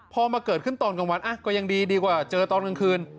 พอมาเกิดขึ้นตอนกลางวันก็ยังดีดีกว่าเจอตอนกลางคืน